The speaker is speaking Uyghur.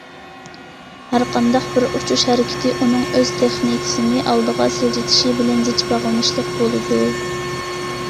ھەر قانداق بىر ئۇچۇش ھەرىكىتى ئۇنىڭ ئۆز تېخنىكىسىنى ئالغا سىلجىتىشى بىلەن زىچ باغلىنىشلىق بولىدۇ.